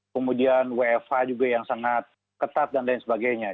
kemudian wfh juga yang sangat ketat dan lain sebagainya